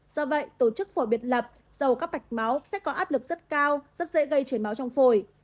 do vậy tổ chức phổi biệt lập dầu các mạch máu sẽ có áp lực rất cao rất dễ gây chảy máu trong phổi